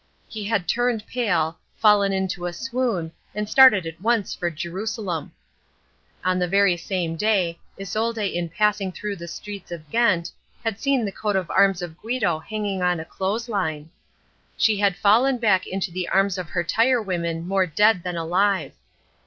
He had turned pale, fallen into a swoon and started at once for Jerusalem. On the very same day Isolde in passing through the streets of Ghent had seen the coat of arms of Guido hanging on a clothes line. She had fallen back into the arms of her tire women more dead than alive.